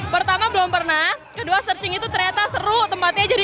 pertama belum pernah kedua searching itu ternyata seru tempatnya jadi